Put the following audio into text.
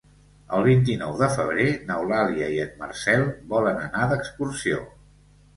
El vint-i-nou de febrer n'Eulàlia i en Marcel volen anar d'excursió.